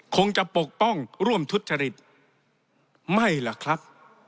คงจะปกป้องร่วมทุจริตไม่ล่ะครับ